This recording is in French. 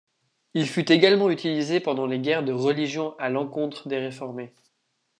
Il fut également utilisé pendant les guerres de Religion à l'encontre des réformés.